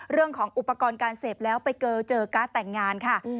เรื่องของอุปกรณ์การเสพแล้วไปเจอเจอการ์ดแต่งงานค่ะ